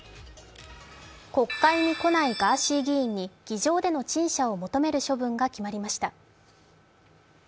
国会に来ないガーシー議員に議場での陳謝を求める処分が決まりました。